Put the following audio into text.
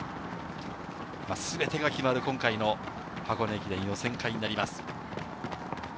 全てが決まる今回の箱根駅伝予選会になります。